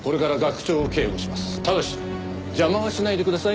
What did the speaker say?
ただし邪魔はしないでください。